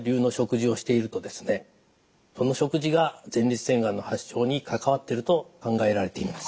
その食事が前立腺がんの発症に関わっていると考えられています。